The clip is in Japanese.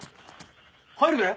入るで。